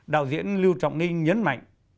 đạo diễn lưu trọng ninh nhấn mạnh